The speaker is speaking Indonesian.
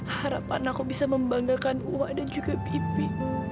harapan aku bisa membanggakan buah dan juga bibi